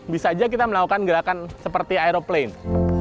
bisa aja kita melakukan gerakan seperti aeroplane